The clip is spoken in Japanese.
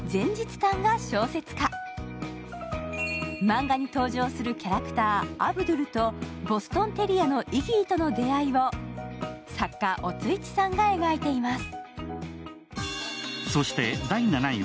漫画に登場するキャラクターアヴドゥルとボストンテリアのイギーとの出会いを作家・乙一さんが描いています。